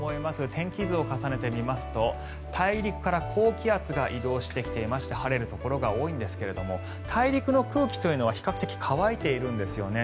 天気図を重ねてみますと大陸から高気圧が移動してきていまして晴れるところが多いんですが大陸の空気というのは比較的乾いているんですよね。